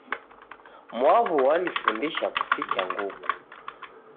Mwaw'u wanifundisha kusicha nguku.